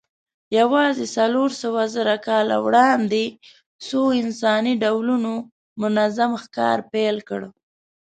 یواځې څلورسوهزره کاله وړاندې څو انساني ډولونو منظم ښکار پیل کړ.